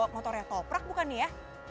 motornya toprak bukan ya